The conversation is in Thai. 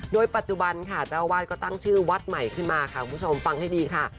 โดยปัจจุบันค่ะเจ้าอาวาสก็ตั้งชื่อวัดใหม่ขึ้นมาค่ะคุณผู้ชมฟังให้ดีค่ะ